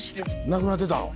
なくなってたの？